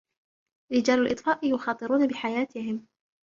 رجال الإطفاء يخاطرون بحياتهم.